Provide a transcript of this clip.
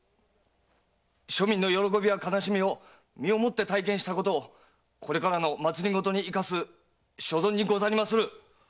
庶民の喜びや悲しみを身をもって体験したことをこれからの政に生かす所存にござりまする！